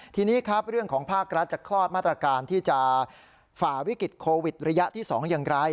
ทีนี้ครับเรื่องของภาครัฐจะคลอดมาตรการที่จะฝ่าวิกฤตโควิดระยะที่๒อย่างไร